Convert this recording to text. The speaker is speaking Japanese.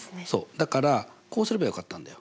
だからこうすればよかったんだよ。